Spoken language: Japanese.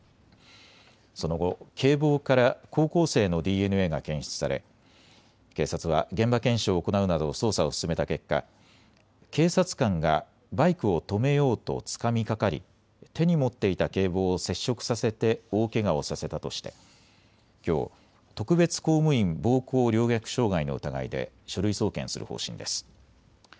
その後、警棒から高校生のＤＮＡが検出され警察は現場検証を行うなど捜査を進めた結果、警察官がバイクを止めようとつかみかかり手に持っていた警棒を接触させて大けがをさせたとしてきょう特別公務員暴行陵虐傷害の疑いで書類送検する方針です。